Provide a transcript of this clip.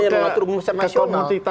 yang mengatur umum masyarakat nasional